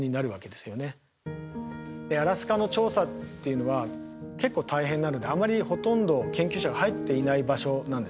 でアラスカの調査っていうのは結構大変なのであまりほとんど研究者が入っていない場所なんですね。